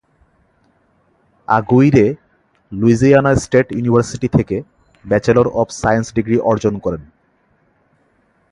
আগুইরে Louisiana State University থেকে bachelor of science degree অর্জন করেন।